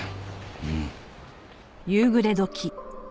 うん。